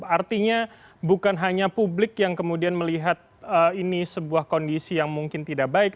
artinya bukan hanya publik yang kemudian melihat ini sebuah kondisi yang mungkin tidak baik